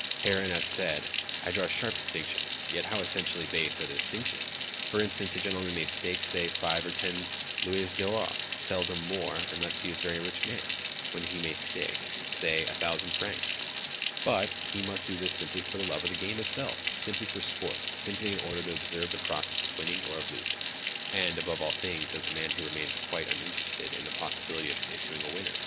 Herein, as said, I draw sharp distinctions. Yet how essentially base are the distinctions! For instance, a gentleman may stake, say, five or ten louis d'or—seldom more, unless he is a very rich man, when he may stake, say, a thousand francs; but, he must do this simply for the love of the game itself—simply for sport, simply in order to observe the process of winning or of losing, and, above all things, as a man who remains quite uninterested in the possibility of his issuing a winner.